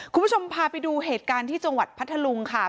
คุณผู้ชมพาไปดูเหตุการณ์ที่จังหวัดพัทธลุงค่ะ